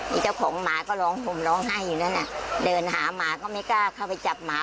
เจ้าของหมาก็ร้องผมร้องไห้อยู่นั่นน่ะเดินหาหมาก็ไม่กล้าเข้าไปจับหมา